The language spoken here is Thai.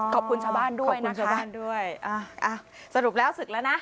ขอบคุณชาวบ้านด้วยขอบคุณชาวบ้านด้วยอ่าสรุปแล้วศึกแล้วนะ